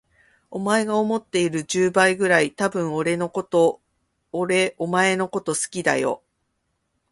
お前が思っている十倍くらい、多分俺お前のこと好きだよ。